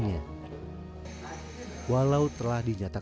sejak kemudian setiap hari setiap hari